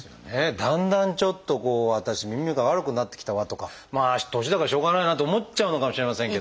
だんだんちょっと私耳が悪くなってきたわとかまあ年だからしょうがないなと思っちゃうのかもしれませんけど。